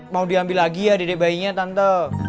mau diambil lagi ya dedek bayinya tante